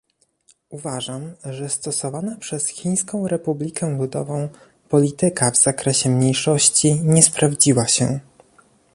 Uważam, że stosowana przez Chińską Republikę Ludową polityka w zakresie mniejszości nie sprawdziła się